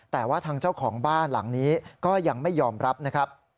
แต่ว่าทางเจ้าของบ้านหลังนี้ก็ยังไม่ยอมรับนะครับ